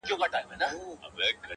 چي ستا ديدن وي پكي كور به جوړ سـي;